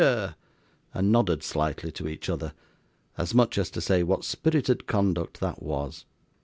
and nodded slightly to each other, as much as to say what spirited conduct that was.